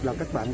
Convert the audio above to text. cảm ơn các bạn